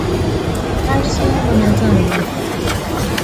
هر څه منظم وو.